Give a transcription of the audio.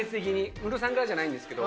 ムロさんからじゃないんですけど。